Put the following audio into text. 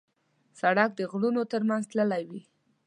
سړک د غرونو تر منځ تللی وي.